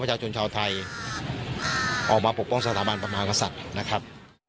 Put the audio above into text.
ประชาชนชาวไทยออกมาปกป้องสถาบันประมาณอาศักดิ์นะครับ